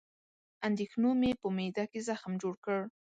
اندېښنو مې په معده کې زخم جوړ کړ